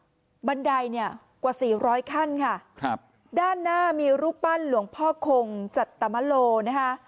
บันไดเนี่ยกว่าสี่ร้อยขั้นค่ะครับด้านหน้ามีรูปปั้นหลวงพ่อคงจัตมโลนะคะ